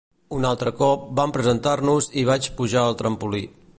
Un altre cop, van presentar-nos i vaig pujar al trampolí.